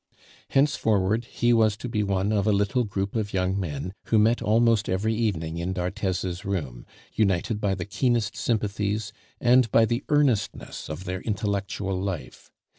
Henceforward he was to be one of a little group of young men who met almost every evening in d'Arthez's room, united by the keenest sympathies and by the earnestness of their intellectual life.